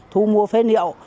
thu mua phế liệu